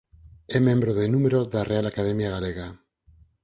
É membro de número da Real Academia Galega.